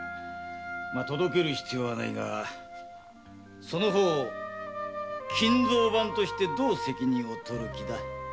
届ける必要はないがその方金蔵番としてどう責任をとる気だ？